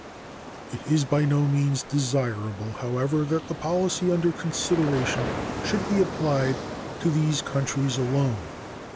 It is by no means desirable, however, that the policy under consideration should be applied to these countries alone.